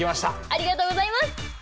ありがとうございます。